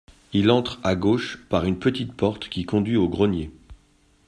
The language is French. Il entre à gauche par une petite porte qui conduit au grenier.